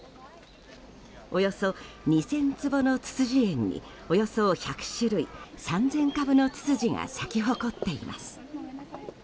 およそ２０００坪のつつじ苑におよそ１００種類３０００株のツツジが咲き誇っています。